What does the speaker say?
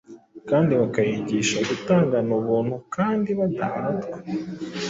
kandi bakayigisha gutangana ubuntu kandi badahatwa.